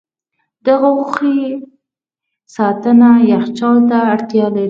د غوښې ساتنه یخچال ته اړتیا لري.